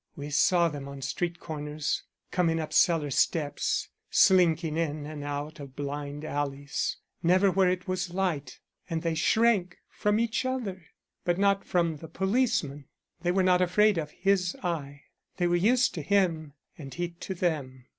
We saw them on street corners coming up cellar steps, slinking in and out of blind alleys never where it was light and they shrank from each other, but not from the policeman. They were not afraid of his eye; they were used to him and he to them.